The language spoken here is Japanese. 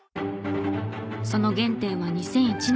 その原点は２００１年。